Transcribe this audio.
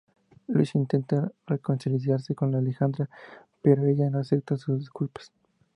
Luis intenta reconciliarse con Alejandra, pero ella no acepta sus disculpas.